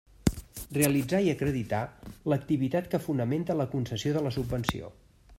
Realitzar, i acreditar, l'activitat que fonamenta la concessió de la subvenció.